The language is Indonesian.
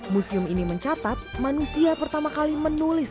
museum ini mencatat manusia pertama kali menulis